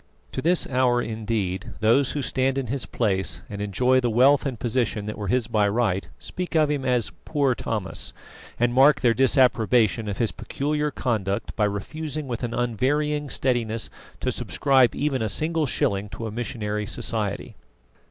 To this hour, indeed, those who stand in his place and enjoy the wealth and position that were his by right, speak of him as "poor Thomas," and mark their disapprobation of his peculiar conduct by refusing with an unvarying steadiness to subscribe even a single shilling to a missionary society.